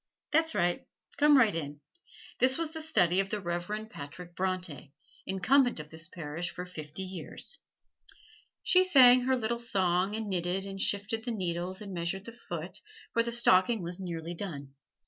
That's right, come right in. This was the study of the Reverend Patrick Bronte, Incumbent of this Parish for fifty years." She sang her little song and knitted and shifted the needles and measured the foot, for the stocking was nearly done.